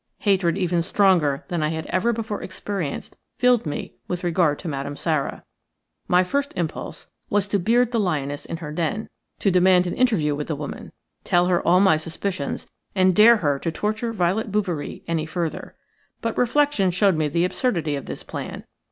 Hatred even stronger than I had ever before experienced filled me with regard to Madame Sara. My first impulse was to beard the lioness in her den, to demand an interview with the woman, tell her all my suspicions, and dare her to torture Violet Bouverie any further. But reflection showed me the absurdity of this plan.